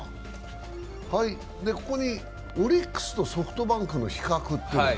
ここにオリックスとソフトバンクの比較というのが。